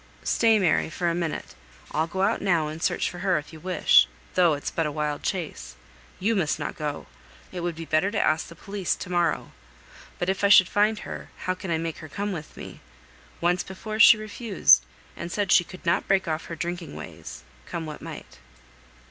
"Stay, Mary, for a minute; I'll go out now and search for her if you wish, though it's but a wild chase. You must not go. It would be better to ask the police to morrow. But if I should find her, how can I make her come with me? Once before she refused, and said she could not break off her drinking ways, come what might?"